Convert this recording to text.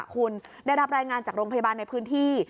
คุณได้รับรายงานจากโรงพยาบาลในพื้นที่